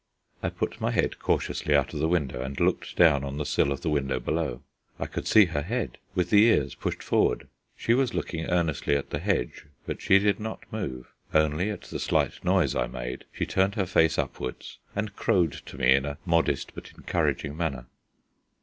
I put my head cautiously out of the window, and looking down on the sill of the window below, I could see her head, with the ears pushed forward; she was looking earnestly at the hedge, but she did not move. Only, at the slight noise I made, she turned her face upwards and crowed to me in a modest but encouraging manner.